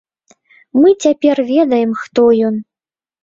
Мы цяпер ведаем, хто ён.